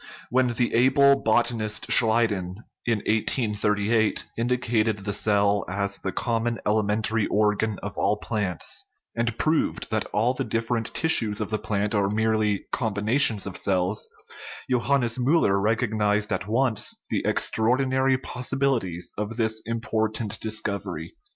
When the able bot anist Schleiden, in 1838, indicated the cell as the com mon elementary organ of all plants, and proved that all the different tissues of the plant are merely combi nations of cells, Johannes Miiller recognized at once the extraordinary possibilities of this important discovery.